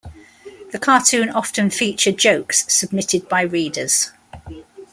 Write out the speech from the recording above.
The cartoon often featured jokes submitted by readers.